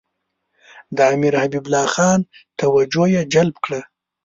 د امیر حبیب الله خان توجه یې جلب کړه.